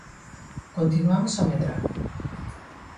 Continuamos a medrar.